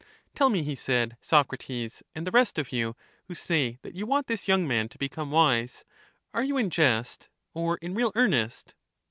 Tell me, he said, Socrates and the rest of you who say that you want this young man to become wise, are you in jest or in real earnest?